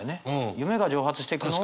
夢が蒸発していくのを。